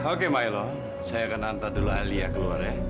oke milo saya akan hantar dulu alia keluar ya